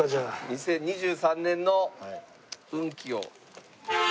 ２０２３年の運気を。